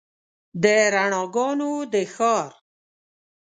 د رڼاګانو د ښار